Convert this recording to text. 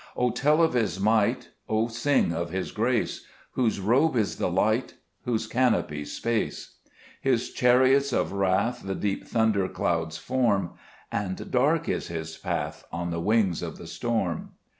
2 O tell of His might, O sing of His grace, Whose robe is the light, whose canopy space. His chariots of wrath the deep thunder clouds form, And dark is His path on the wings of the storm.